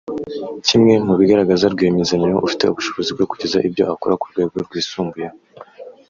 Kimwe mu bigaragaza rwiyemezamirimo ufite ubushobozi bwo kugeza ibyo akora ku rwego rwisumbuyeho